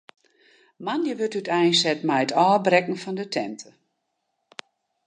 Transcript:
Moandei wurdt úteinset mei it ôfbrekken fan de tinte.